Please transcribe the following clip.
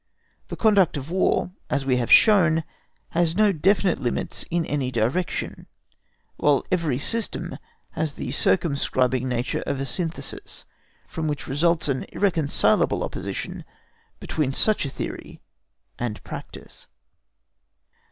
The conduct of War, as we have shown, has no definite limits in any direction, while every system has the circumscribing nature of a synthesis, from which results an irreconcileable opposition between such a theory and practice.